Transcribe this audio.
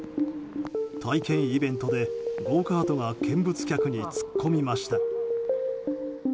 体験イベントで、ゴーカートが見物客に突っ込みました。